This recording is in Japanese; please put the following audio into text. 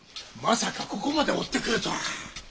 まさかここまで追ってくるとは。